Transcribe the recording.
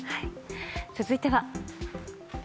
続いては。